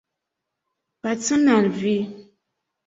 Pacon al vi!